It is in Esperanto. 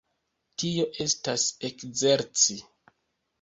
Tio estas ekzerci.